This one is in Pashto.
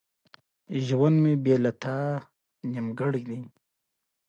هغه لکه چې را ته ته حل کړې.